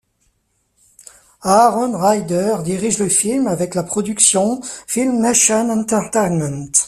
Aaron Ryder dirige le film avec la production FilmNation Entertainment.